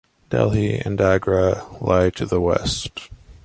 Delhi and Agra lie to the west.